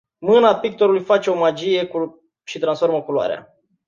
Mâna pictorului face o magie și transformă culoarea.